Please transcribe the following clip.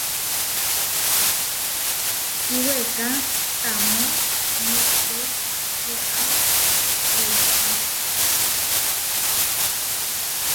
Kíweká tamó močiré waʼá óipu.